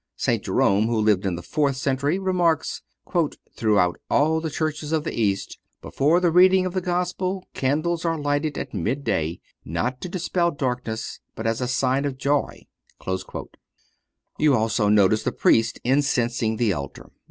St. Jerome, who lived in the fourth century, remarks: "Throughout all the Churches of the East, before the reading of the Gospel, candles are lighted at mid day, not to dispel darkness, but as a sign of joy." You also noticed the Priest incensing the altar.